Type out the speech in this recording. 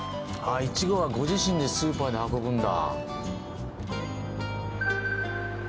いちごはご自身でスーパーに運ぶんだ。